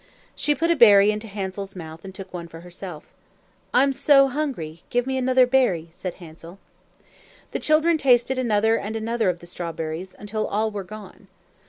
She put a berry into Hansel's mouth and took one for herself. "I am so hungry! Give me another berry," said Hansel. The children tasted another and another of the strawberries, until all were gone.